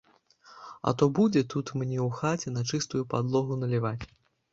А то будзе тут мне ў хаце на чыстую падлогу наліваць.